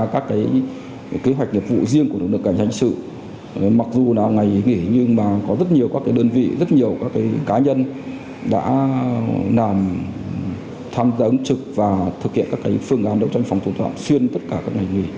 các cá nhân đã làm tham gia ứng trực và thực hiện các phương án đấu tranh phòng thu thọng xuyên tất cả các ngày nghỉ